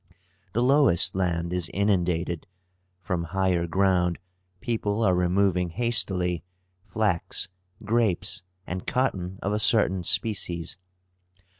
The lowest land is inundated; from higher ground people are removing hastily flax, grapes, and cotton of a certain species.